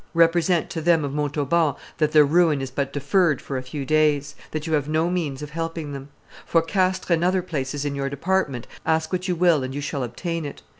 Represent to them of Montauban that their ruin is but deferred for a few days; that you have no means of helping them. For Castres and other places in your department, ask what you will, and you shall obtain it.